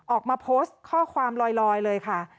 ออกมาโพสต์ข้อความลอยเลยค่ะ